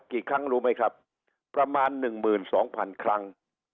กี่ครั้งรู้ไหมครับประมาณ๑๒๐๐๐ครั้ง